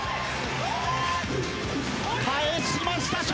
返しました笑